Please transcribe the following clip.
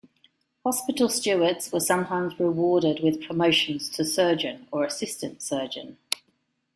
Hospital Stewards were sometimes rewarded with promotions to surgeon or assistant surgeon.